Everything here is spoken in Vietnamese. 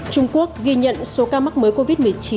trung quốc ghi nhận số ca mắc mới covid một mươi chín